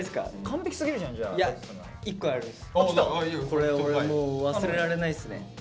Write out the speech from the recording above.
これ俺もう忘れられないっすね。